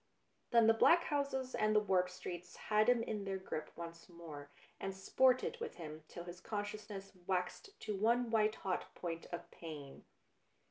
Then the black houses and the warped streets had him in their grip once more, and sported with him till his consciousness waxed to one white hot point of pain.